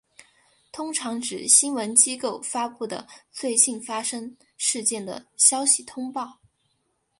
通常指新闻机构发布的最近发生事件的消息报道。